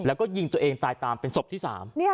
แล้วก็ยิงตัวเองตายตามเป็นศพที่๓